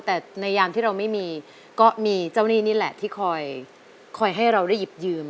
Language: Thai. แต่ในยามที่เราไม่มีก็มีเจ้าหนี้นี่แหละที่คอยให้เราได้หยิบยืม